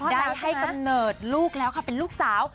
ได้ให้กำเนิดลูกแล้วค่ะเป็นลูกสาว